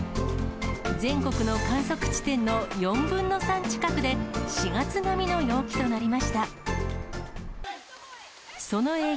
全国の観測地点の４分の３近くで、４月並みの陽気となりました。